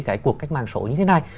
cái cuộc cách mạng số như thế này